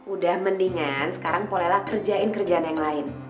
udah mendingan sekarang bolehlah kerjain kerjaan yang lain